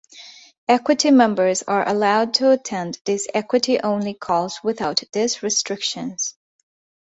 Equity members are allowed to attend these Equity-only calls without these restrictions.